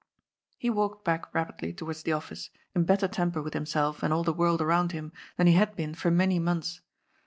He walked back rapidly towards the Office, in better temper with himself and all the world around him than he had been for many months.